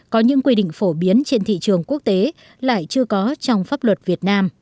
có những quy định phổ biến trên thị trường quốc tế lại chưa có trong pháp luật việt nam